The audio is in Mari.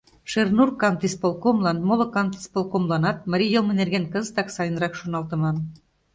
Шернур кантисполкомлан, моло кантисполкомланат марий йылме нерген кызытак сайынрак шоналтыман.